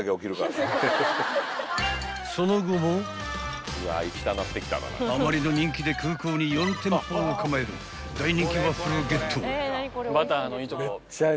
［その後もあまりの人気で空港に４店舗も構える大人気ワッフルをゲット］